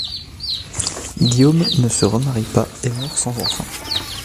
Guillaume ne se remarie pas et meurt sans enfants.